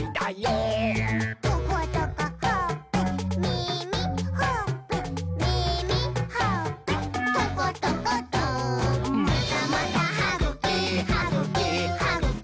「トコトコほっぺ」「みみ」「ほっぺ」「みみ」「ほっぺ」「トコトコト」「またまたはぐき！はぐき！はぐき！